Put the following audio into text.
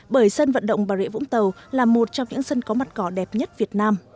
bởi sân vận động bà rịa vũng tàu là một trong những sân có mặt cỏ đẹp nhất việt nam